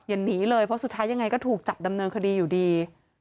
หนีเลยเพราะสุดท้ายยังไงก็ถูกจับดำเนินคดีอยู่ดี